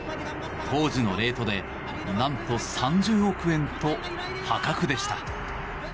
当時のレートで何と、３０億円と破格でした。